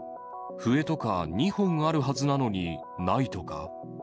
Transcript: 笛とか、２本あるはずなのに、ないとか？